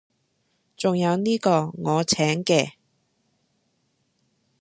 仲有呢個，我請嘅